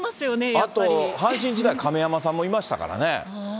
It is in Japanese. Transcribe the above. あと、阪神時代、かめやまさんもいましたからね。